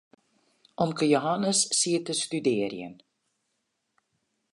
Omke Jehannes siet te studearjen.